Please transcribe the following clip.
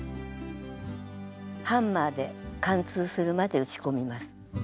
ハンマーで貫通するまで打ち込みます。